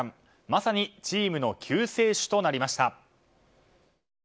まさにチームの救世主となりました。